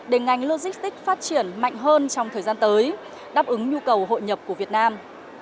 để ngành logistics phát triển mạnh hơn trong thời gian tới đáp ứng nhu cầu hội nhập của việt nam